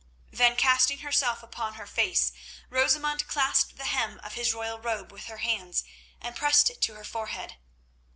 Then casting herself upon her face, Rosamund clasped the hem of his royal robe with her hands, and pressed it to her forehead.